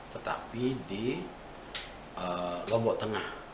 tetapi di lombok tengah